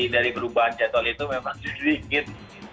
dari perubahan jadwal itu memang sedikit